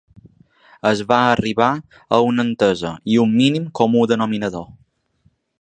Es va arribar a una entesa i un mínim comú denominador.